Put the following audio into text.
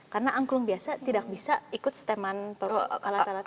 karena angklung biasa tidak bisa ikut seteman alat alat ini